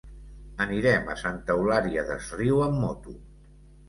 Anirem a Santa Eulària des Riu amb moto.